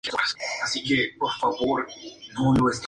No se levantaron cargos sobre estas personas.